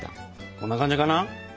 こんな感じかな？